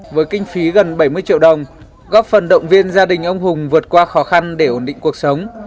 với kinh phí gần bảy mươi triệu đồng góp phần động viên gia đình ông hùng vượt qua khó khăn để ổn định cuộc sống